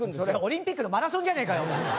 それオリンピックのマラソンじゃねえかよ！